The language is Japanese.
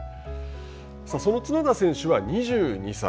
さあその角田選手は２２歳。